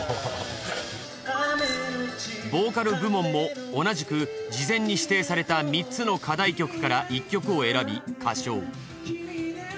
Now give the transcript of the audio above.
ボーカル部門も同じく事前に指定された３つの課題曲から１曲を選び歌唱。